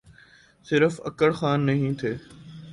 صرف اکڑ خان نہیں تھے۔